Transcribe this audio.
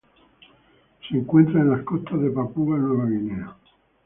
Se encuentran en las costas de Papúa Nueva Guinea.